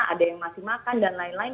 ada yang masih makan dan lain lain